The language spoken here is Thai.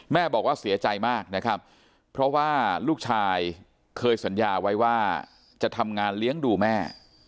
บอกว่าเสียใจมากนะครับเพราะว่าลูกชายเคยสัญญาไว้ว่าจะทำงานเลี้ยงดูแม่